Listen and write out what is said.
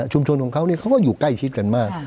ของเขาเขาก็อยู่ใกล้ชิดกันมาก